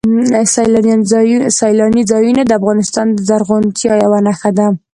سیلاني ځایونه د افغانستان د زرغونتیا یوه نښه ده.